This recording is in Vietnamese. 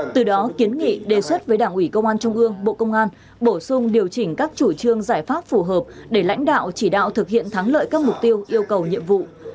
từ đó kiến nghị đề xuất với đảng ủy công an trung ương bộ công an bổ sung điều chỉnh các chủ trương giải pháp phù hợp để lãnh đạo chỉ đạo thực hiện thắng lợi các mục tiêu yêu cầu nhiệm vụ